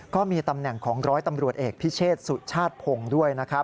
ก็มีตำแหน่งของ๑๐๐ตำรวจเอกพิเศษสุชาติพงฯด้วย